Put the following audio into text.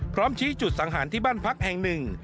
ชี้จุดสังหารที่บ้านพักแห่งหนึ่ง